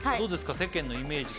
世間のイメージ聞いて。